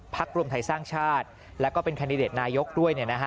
ภักดิ์ร่วมไทยสร้างชาติและก็เป็นคันดิเดตนายกด้วยนะครับ